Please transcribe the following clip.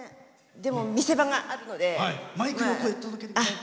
でも、見せ場があるので。